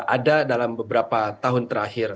ada dalam beberapa tahun terakhir